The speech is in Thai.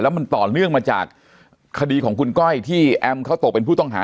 มันต่อเนื่องมาจากคดีของคุณก้อยที่แอมเขาตกเป็นผู้ต้องหา